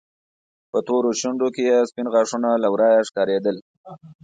په تورو شونډو کې يې سپين غاښونه له ورايه ښکارېدل.